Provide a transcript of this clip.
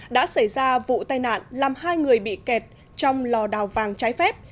đã xảy ra vụ tai nạn làm hai người bị kẹt trong lò đào vàng trái phép